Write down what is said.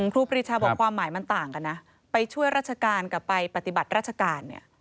ครูปรีชาบอกความหมายมันต่างกันนะไปช่วยราชการกับไปปฏิบัติราชการเนี่ย